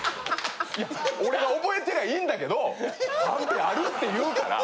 いや俺が覚えてりゃいいんだけどカンペあるって言うから。